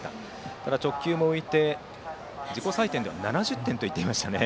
ただ直球も浮いて自己採点では７０点でしたね。